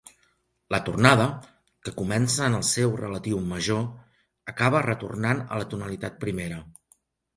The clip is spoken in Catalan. La tornada, que comença en el seu relatiu major, acaba retornant a la tonalitat primera.